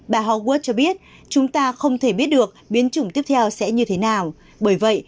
bà huad cho biết chúng ta không thể biết được biến chủng tiếp theo sẽ như thế nào bởi vậy